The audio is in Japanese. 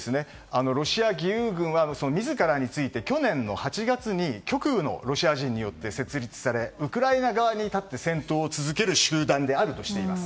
ロシア義勇軍は自らについて去年の８月に極右のロシア人によって設立され、ウクライナ側に立って戦闘を続ける集団だとしています。